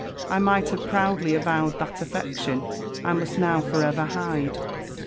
I might have proudly avowed that affection I must now forever hide."